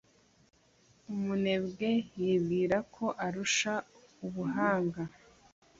Umunebwe yibwira ko arusha ubuhanga